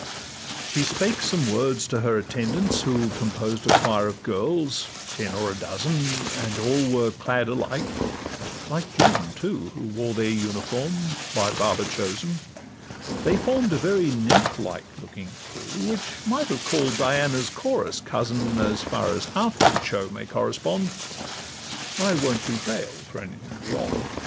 She spake some words to her attendants, who Composed a choir of girls, ten or a dozen, And were all clad alike; like Juan, too, Who wore their uniform, by Baba chosen; They form'd a very nymph like looking crew, Which might have call'd Diana's chorus 'cousin,' As far as outward show may correspond; I won't be bail for anything beyond.